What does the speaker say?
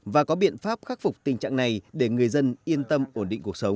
và có biện pháp khắc phục tình trạng này để người dân yên tâm ổn định cuộc sống